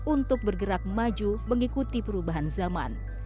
untuk bergerak maju mengikuti perubahan zaman